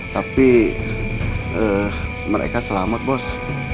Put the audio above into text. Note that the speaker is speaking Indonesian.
tapi mereka selamat bos